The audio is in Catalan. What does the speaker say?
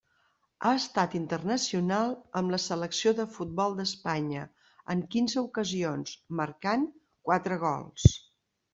Ha estat internacional amb la selecció de futbol d'Espanya en quinze ocasions marcant quatre gols.